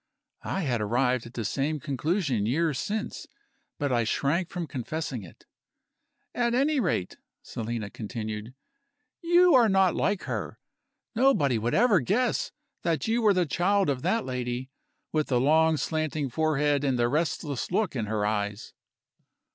I had arrived at the same conclusion years since. But I shrank from confessing it. "At any rate," Selina continued, "you are not like her. Nobody would ever guess that you were the child of that lady, with the long slanting forehead and the restless look in her eyes."